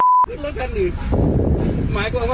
เดี๋ยวนี่อย่ารีบไปตายสิวะ